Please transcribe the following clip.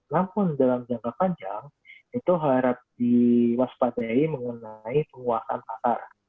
namun dalam jangka panjang itu harap diwaspadai mengenai penguasaan pasar